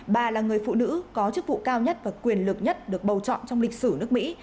bà là người phụ nữ có chức vụ cao nhất và quyền lực nhất được bầu chọn trong lịch sử nước mỹ